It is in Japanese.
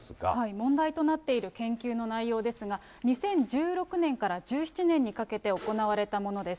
問題となっている研究の内容ですが、２０１６年から１７年にかけて行われたものです。